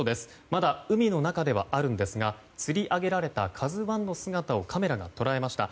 まだ海の中ではあるんですがつり上げられた「ＫＡＺＵ１」の姿をカメラが捉えました。